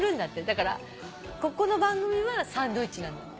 だからここの番組はサンドイッチなんだって。